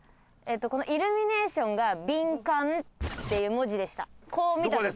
このイルミネーションが「ビンカン」っていう文字でした。